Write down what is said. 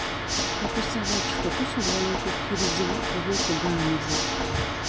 Okusaba ekifo kusobola okukkirizibwa oba okugaanibwa.